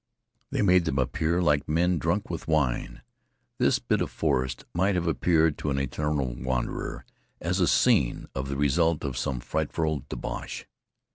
They made them appear like men drunk with wine. This bit of forest might have appeared to an ethereal wanderer as a scene of the result of some frightful debauch.